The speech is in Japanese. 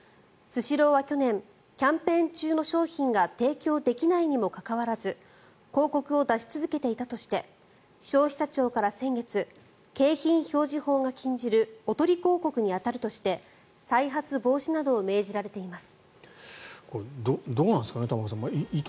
スシローは去年キャンペーン中の商品が提供できないにもかかわらず広告を出し続けていたとして消費者庁から先月景品表示法が禁じるおとり広告に当たるとして再発防止などを命じられています。